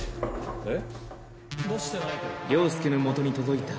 えっ？